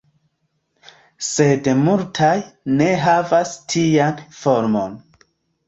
Sed multaj ne havas tian formon.